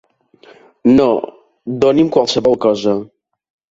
No, doni'm qualsevol cosa.